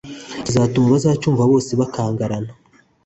kizatuma abazacyumva bose bakangarana